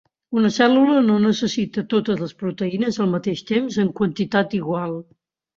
Una cèl·lula no necessita totes les proteïnes al mateix temps en quantitat igual.